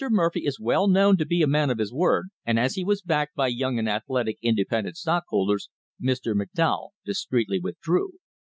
Murphy is well known to be a man of his word, and as he was backed by young and athletic independent stockholders, Mr. McDowell discreetly withdrew.